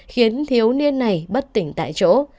khiến thiếu niên này bất tỉnh tại chỗ